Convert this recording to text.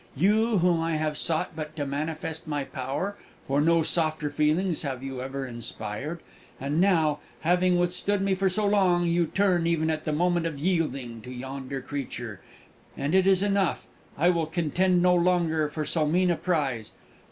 You, whom I have sought but to manifest my power, for no softer feelings have you ever inspired! And now, having withstood me for so long, you turn, even at the moment of yielding, to yonder creature! And it is enough. I will contend no longer for so mean a prize!